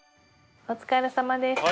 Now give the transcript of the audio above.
お疲れさまでした。